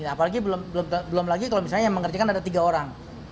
apalagi belum lagi kalau misalnya yang mengerjakan ada tiga orang